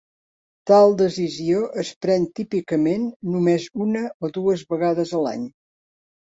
Tal decisió es pren típicament només una o dues vegades a l'any.